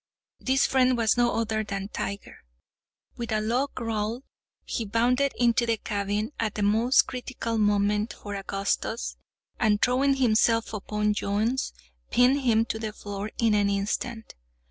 This friend was no other than Tiger. With a low growl, he bounded into the cabin, at a most critical moment for Augustus, and throwing himself upon Jones, pinned him to the floor in an instant.